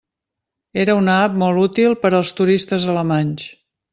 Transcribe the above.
Era una app molt útil per als turistes alemanys.